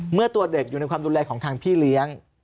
เมื่อตัวเด็กอยู่ในความดูแลของทางพี่เลี้ยง